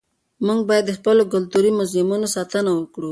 موږ باید د خپلو کلتوري موزیمونو ساتنه وکړو.